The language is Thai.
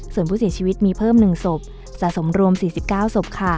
ส่วนผู้เสียชีวิตมีเพิ่มหนึ่งศพสะสมรวมสี่สิบเก้าศพค่ะ